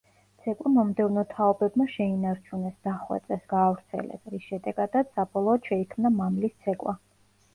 ცეკვა მომდევნო თაობებმა შეინარჩუნეს, დახვეწეს, გაავრცელეს, რის შედეგადაც საბოლოოდ შეიქმნა მამლის ცეკვა.